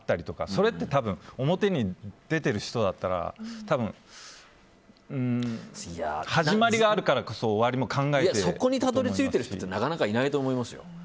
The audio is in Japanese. それは表に出ている人だったら多分始まりがあるからこそそこにたどり着いてる人ってなかなかいないと思いますよ。